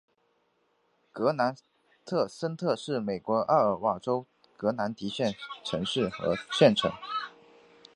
格兰迪森特是美国艾奥瓦州格兰迪县的城市和县城。